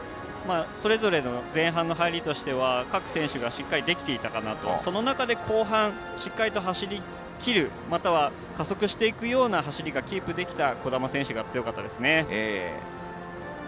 それぞれの前半の入りとしては各選手しっかりできていたかなとその中で後半しっかりと走りきるまたは加速していくような走りがキープできた兒玉選手が強かったですね。